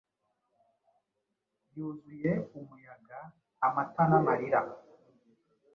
yuzuye umuyaga amata n'amarira